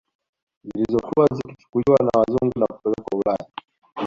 Zilizokuwa zikichukuliwa na wazungu na kupelekwa Ulaya